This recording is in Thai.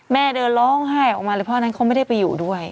เดินร้องไห้ออกมาเลยเพราะอันนั้นเขาไม่ได้ไปอยู่ด้วย